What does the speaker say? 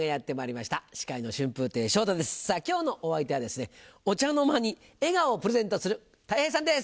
今日のお相手はですねお茶の間に笑顔をプレゼントするたい平さんです。